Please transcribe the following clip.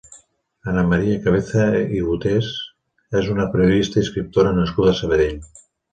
Anna Maria Cabeza i Gutés és una periodista i escriptora nascuda a Sabadell.